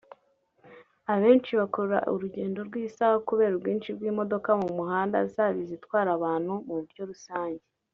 Abenshi bakora urugendo rw’isaha kubera ubwinshi bw’imodoka mu muhanda zaba izitwara abantu mu buryo rusange